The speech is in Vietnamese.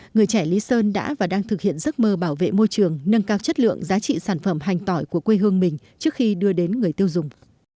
người trẻ lý sơn đã và đang thực hiện giấc mơ bảo vệ môi trường nâng cao chất lượng giá trị sản phẩm hành tỏi của quê hương mình trước khi đưa đến người tiêu dùng